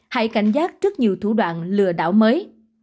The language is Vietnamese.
hãy cảnh giác trước nhiều thủ đoạn lừa đảo mới